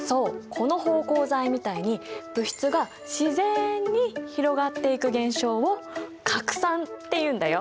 この芳香剤みたいに物質が自然に広がっていく現象を「拡散」っていうんだよ。